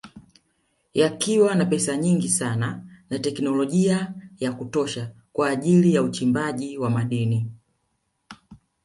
Yakiwa na pesa nyingi sana na teknolojia ya kutosha kwa ajili uchimbaji wa madini